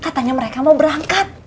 katanya mereka mau berangkat